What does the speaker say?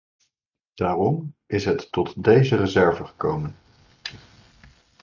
Daarom is het tot deze reserve gekomen.